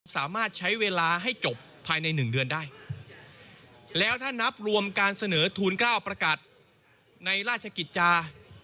สามารถใช้เวลาให้จบภายในหนึ่งเดือนได้แล้วถ้านับรวมการเสนอทูลเก้าประกาศในราชกิจจา